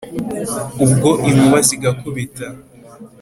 Ubwo inkuba zigakubita